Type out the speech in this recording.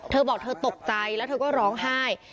เธอบอกเธอตกใจแล้วเธอก็ร้องไห้